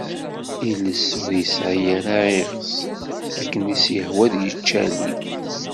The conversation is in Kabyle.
Iles ur yesɛi ara iɣes, akken i s-yehwa ad icali.